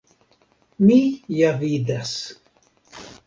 Mi ja vidas.